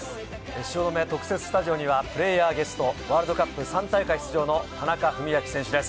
汐留特設スタジオにはプレーヤーゲスト、ワールドカップ３大会出場の田中史朗選手です。